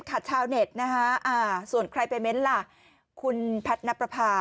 ขาดชาวเน็ตนะฮะอ่าส่วนใครไปเม้นต์ล่ะคุณแพทนับรภา